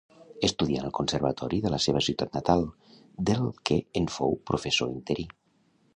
Estudià en el conservatori de la seva ciutat natal, del que en fou professor interí.